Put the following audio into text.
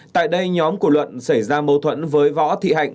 tại đây nhóm của luận xảy ra mâu thuẫn với võ thị hạnh